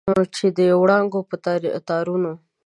چې د وړانګو په تارونو